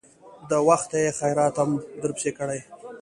د وخته يې خيراتم درپسې کړى.